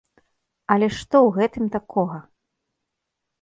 Але што ў гэтым такога?!